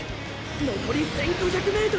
残り１，５００ｍ！